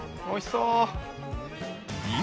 おいしそう。